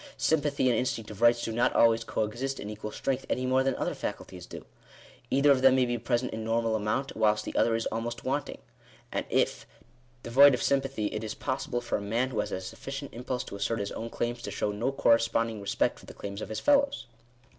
Sympathy and instinct of rights do not always co exist in equal strength any more than other faculties do. Either of them may be present in normal amount, whilst the other is almost wanting. And, if devoid of sympathy, it is possible for a man who has a sufficient impulse to assert his own claims, to show no corresponding respect for the claims of his fellows.